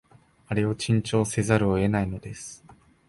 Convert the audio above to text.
あれを珍重せざるを得ないのです